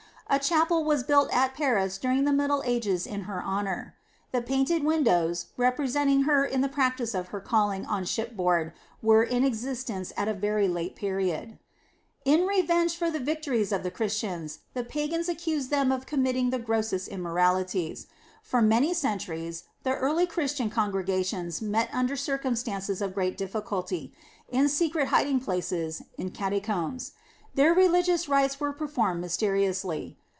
A chapel was built at Paris during the Middle Ages in her honor. The painted windows, representing her in the exercise of her calling on shipboard, were in existence at a very late period. In revenge for the victories of the Christians, the pagans accused them of committing the grossest immoralities. For many centuries the early Christian congregations met under circumstances of great difficulty, in secret hiding places, in catacombs. Their religious rites were performed mysteriously.